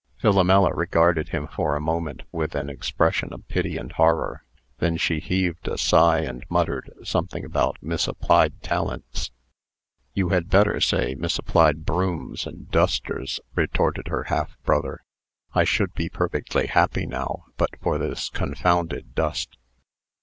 Philomela regarded him for a moment with an expression of pity and horror. Then she heaved a sigh, and muttered something about misapplied talents. "You had better say, 'Misapplied brooms and dusters,'" retorted her half brother. "I should be perfectly happy now, but for this confounded dust."